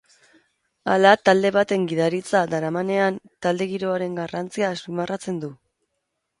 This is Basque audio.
Hala, talde baten gidaritza daramanean talde giroaren garrantzia azpimarratzen du.